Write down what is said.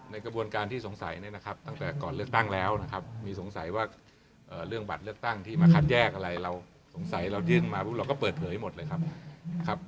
กระบวนการที่สงสัยเนี่ยนะครับตั้งแต่ก่อนเลือกตั้งแล้วนะครับมีสงสัยว่าเรื่องบัตรเลือกตั้งที่มาคัดแยกอะไรเราสงสัยเรายื่นมาปุ๊บเราก็เปิดเผยหมดเลยครับ